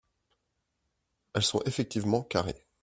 Elles sont effectivement carrées.